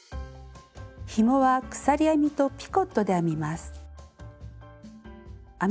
ひもは鎖編みとピコットで編みます。